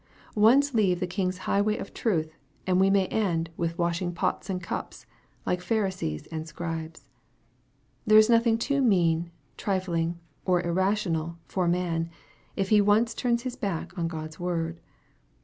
Once leave the King's highway of truth, and we may end with wash ing pots and cups, like Pharisees and Scribes. There is nothing too mean, trifling, or irrational for a man, if he once turns his back on God's word.